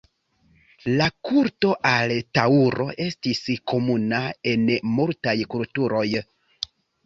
La kulto al taŭro estis komuna en multaj kulturoj.